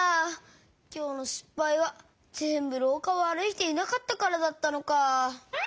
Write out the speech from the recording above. きょうのしっぱいはぜんぶろうかをあるいていなかったからだったのか。